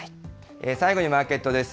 最後にマーケットです。